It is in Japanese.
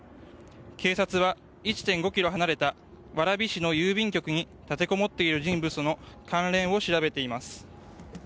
警察は１．５ｋｍ離れた蕨市の郵便局に立てこもっている人物の関連を調べています。